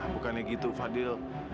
bukannya gitu fadil